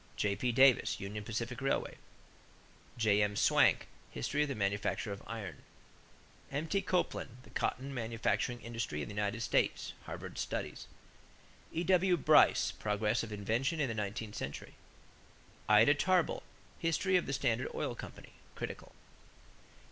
J.P. Davis, Union Pacific Railway. J.M. Swank, History of the Manufacture of Iron. M.T. Copeland, The Cotton Manufacturing Industry in the United States (Harvard Studies). E.W. Bryce, Progress of Invention in the Nineteenth Century. Ida Tarbell, History of the Standard Oil Company (Critical).